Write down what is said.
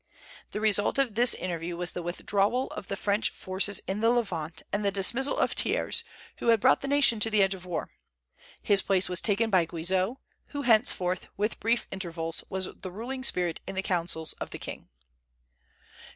The result of this interview was the withdrawal of the French forces in the Levant and the dismissal of Thiers, who had brought the nation to the edge of war. His place was taken by Guizot, who henceforth, with brief intervals, was the ruling spirit in the councils of the king.